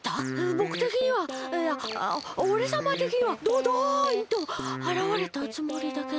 ぼくてきにはいやおれさまてきにはドドンとあらわれたつもりだけど。